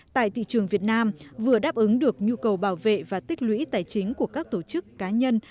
tại thị trường việt nam vừa đáp ứng được nhu cầu bảo vệ và tích lũy tài chính của các tổ chức cá nhân